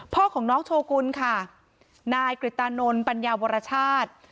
พ่อของน้องโชกุลค่ะนายกริตานนทัญญาวรชาติ